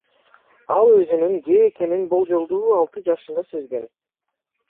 Ал өзүнүн гей экенин болжолдуу алты жашында сезген.